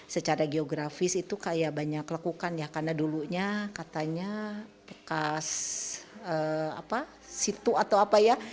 secara geografis itu kayak banyak lekukan ya karena dulunya katanya bekas situ atau apa ya